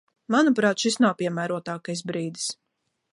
Manuprāt, šis nav piemērotākais brīdis.